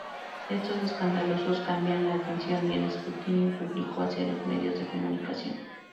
Estos escándalos cambian la atención y el escrutinio público hacia los medios de comunicación.